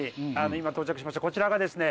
今到着しましたこちらがですね